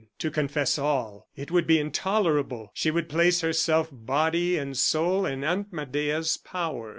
To confess all! It would be intolerable. She would place herself, body and soul, in Aunt Medea's power.